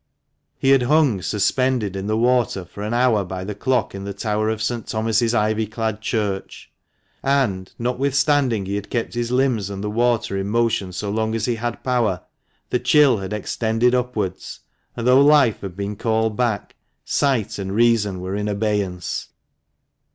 He had hung suspended in the water for an hour by the clock in the tower of St. Thomas' ivy clad church ; and, notwithstanding he had kept his limbs and the water in motion so long as he had power, the chill had extended upwards, and though life had been called back, sight and reason were in abeyance.